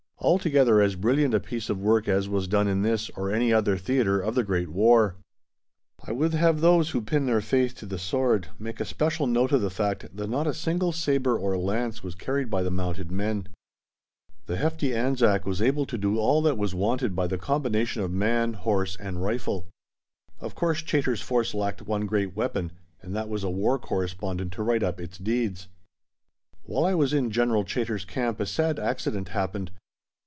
altogether as brilliant a piece of work as was done in this or any other theatre of the Great War. [Illustration: ROMAN ARCH AT AMMAN (See page 145)] [Illustration: IN THE OLD CITADEL AT AMMAN (See page 145)] I would have those who pin their faith to the sword make a special note of the fact that not a single sabre or lance was carried by the mounted men. The hefty Anzac was able to do all that was wanted by the combination of man, horse, and rifle. Of course Chaytor's Force lacked one great weapon, and that was a war correspondent to write up its deeds! While I was in General Chaytor's camp a sad accident happened.